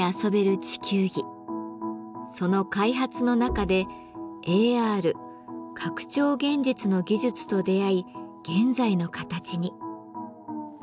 その開発の中でＡＲ拡張現実の技術と出会い現在の形に。